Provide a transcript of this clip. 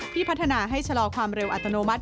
พัฒนาให้ชะลอความเร็วอัตโนมัติ